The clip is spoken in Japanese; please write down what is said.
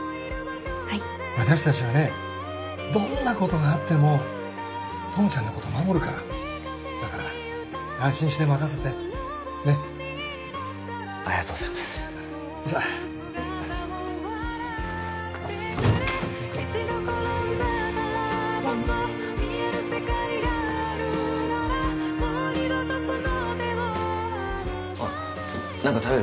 はい私達はねどんなことがあっても友ちゃんのこと守るからだから安心して任せてねっありがとうございますじゃあじゃあねあっ何か食べる？